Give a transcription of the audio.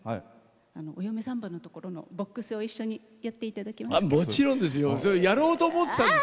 「お嫁サンバ」のところのボックスを一緒にやっていただきたいです。